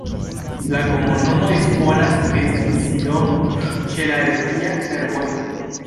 La komunumo disponas pri stacidomo ĉe la Retia Fervojo.